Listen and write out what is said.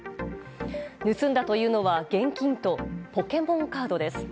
盗んだというのは現金とポケモンカードです。